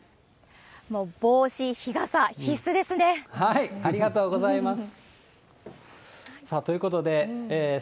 もう帽子、日傘、ありがとうございます。